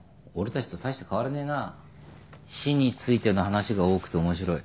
死についての話が多くて面白い。